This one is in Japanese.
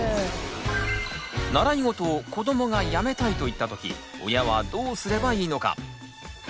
習い事を子どもがやめたいと言ったとき親はどうすればいいのか。